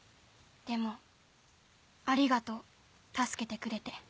でもありがとう助けてくれて。